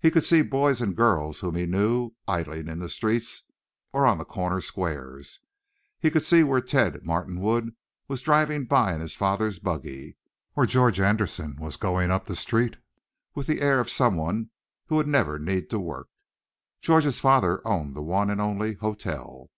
He could see boys and girls whom he knew, idling in the streets or on the corner squares; he could see where Ted Martinwood was driving by in his father's buggy, or George Anderson was going up the street with the air of someone who would never need to work. George's father owned the one and only hotel.